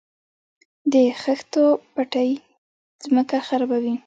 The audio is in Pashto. د خښتو بټۍ ځمکه خرابوي؟